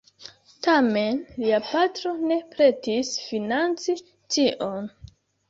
Tamen lia patro ne pretis financi tion.